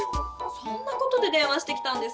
そんなことで電話してきたんですか？